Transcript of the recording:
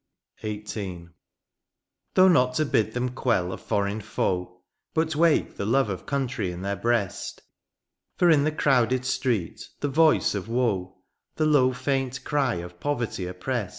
124 THE PAST. XVIII. Though not to bid them quell a foreign foe^ But wake the love of country in their breast ; For in the crowded street, the voice of woe^ The low iaint cry of poverty opprest.